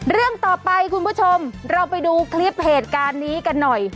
เรื่องต่อไปคุณผู้ชมเราไปดูคลิปเหตุการณ์นี้กันหน่อย